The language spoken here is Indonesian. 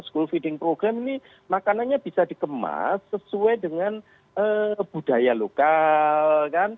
school feeding program ini makanannya bisa dikemas sesuai dengan budaya lokal